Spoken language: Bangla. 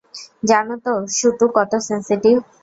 জানো তো - শুটু কত সেনসিটিভ।